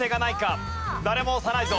誰も押さないぞ。